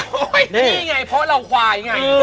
นี่ไงเพราะเราควายไง